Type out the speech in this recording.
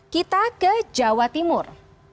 kita ke jawa timur